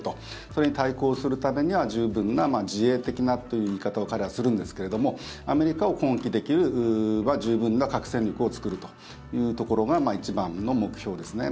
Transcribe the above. それに対抗するためには十分な、自衛的なという言い方を彼らはするんですけどもアメリカを攻撃できる十分な核戦力を作るというところが一番の目標ですね。